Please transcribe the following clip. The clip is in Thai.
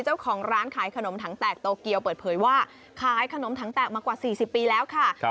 เจ้าของร้านขายขนมถังแตกโตเกียวเปิดเผยว่าขายขนมถังแตกมากว่า๔๐ปีแล้วค่ะ